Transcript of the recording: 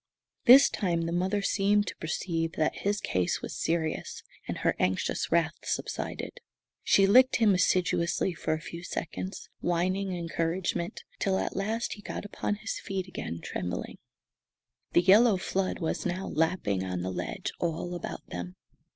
This time the mother seemed to perceive that his case was serious, and her anxious wrath subsided. She licked him assiduously for a few seconds, whining encouragement, till at last he got upon his feet again, trembling. The yellow flood was now lapping on the ledge all about them.